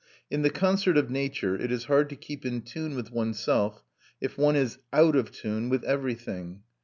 In the concert of nature it is hard to keep in tune with oneself if one is out of tune with everything.